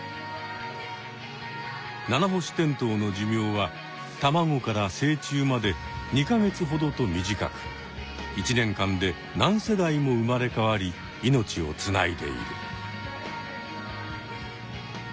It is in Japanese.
ナナホシテントウの寿命はたまごから成虫まで２か月ほどと短く１年間で何世代も生まれ変わり命をつないでいる。